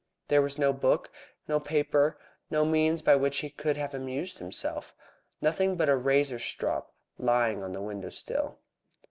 There was no book, no paper, no means by which he could have amused himself, nothing but a razor strop lying on the window sill.